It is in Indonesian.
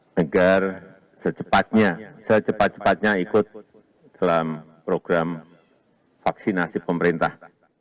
negara secepatnya ikut dalam program vaksinasi pemerintah